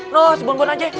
nus bangun aja